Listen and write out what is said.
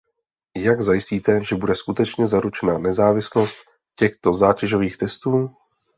Jak zajistíte, že bude skutečně zaručena nezávislost těchto zátěžových testů?